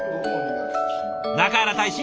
中原大使